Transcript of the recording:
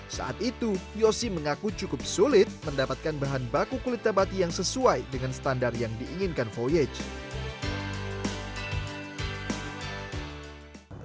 saat itu yosi mengaku cukup sulit mendapatkan bahan baku kulit nabati yang sesuai dengan standar yang diinginkan voyage